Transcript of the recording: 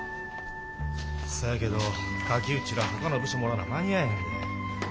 せやけど垣内らほかの部署もおらな間に合えへんで。